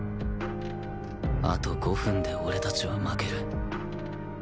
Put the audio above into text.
あと５分で俺たちは負ける